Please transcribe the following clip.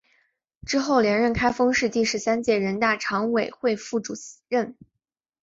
之后连任开封市第十三届人大常委会副主任。